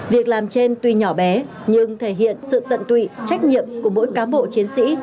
việc làm trên tuy nhỏ bé nhưng thể hiện sự tận tụy trách nhiệm của mỗi cám bộ chiến sĩ